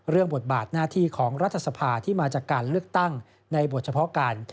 บทบาทหน้าที่ของรัฐสภาที่มาจากการเลือกตั้งในบทเฉพาะการ